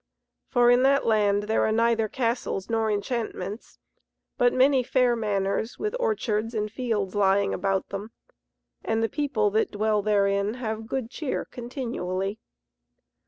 For in that land there are neither castles nor enchantments, but many fair manors, with orchards and fields lying about them; and the people that dwell therein have good cheer continually.